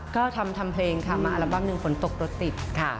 ก็ทำเพลงค่ะมาอัลบั้มหนึ่งฝนตกรถติดค่ะ